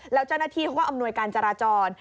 แล้วเจ้าหน้าที่เขาก็อำนวยการจราจร